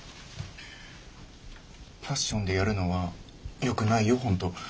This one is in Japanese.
ファッションでやるのはよくないよ本当。